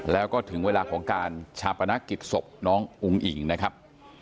แล้วก็ถึงเวลาของการฉับประณะกิจศพน้องอุงหญิงนะครับ